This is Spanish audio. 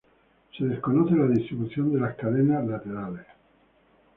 Se desconoce la distribución de las cadenas laterales.